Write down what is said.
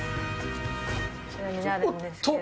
こちらになるんですけど。